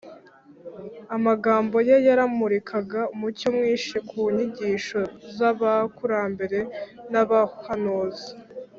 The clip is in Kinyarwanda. amagambo ye yamurikaga umucyo mwinshi ku nyigisho z’abakurambere n’abahanuzi